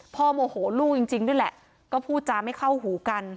โมโหลูกจริงด้วยแหละก็พูดจาไม่เข้าหูกัน